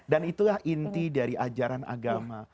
dan itulah inti dari ajaran agama